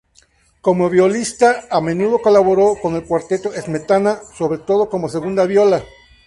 Como violista a menudo colaboró con el Cuarteto Smetana, sobre todo como segunda viola.